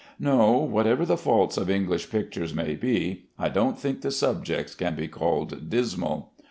No; whatever the faults of English pictures may be, I don't think the subjects can be called dismal.